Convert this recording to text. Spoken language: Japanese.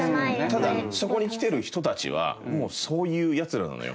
ただそこに来てる人たちはもうそういうヤツらなのよ。